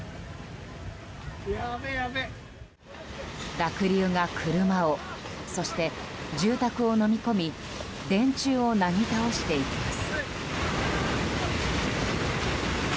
濁流が、車をそして住宅をのみ込み電柱をなぎ倒していきます。